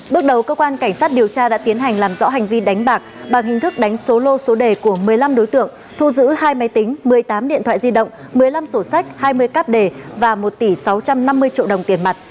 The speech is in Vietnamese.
bước đầu cơ quan cảnh sát điều tra đã tiến hành làm rõ hành vi đánh bạc bằng hình thức đánh số lô số đề của một mươi năm đối tượng thu giữ hai máy tính một mươi tám điện thoại di động một mươi năm sổ sách hai mươi cáp đề và một tỷ sáu trăm năm mươi triệu đồng tiền mặt